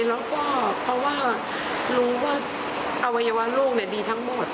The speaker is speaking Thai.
แล้วก็เพราะว่ารู้ว่าอวัยวะโลกดีทั้งหมด